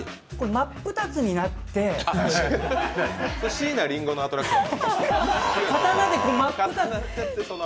真っ二つになってそれは椎名林檎のアトラクション。